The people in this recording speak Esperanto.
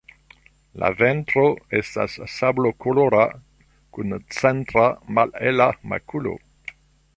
La ventro estas sablokolora kun centra malhela makulo.